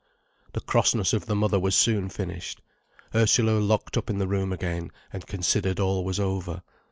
The crossness of the mother was soon finished. Ursula locked up the room again, and considered all was over.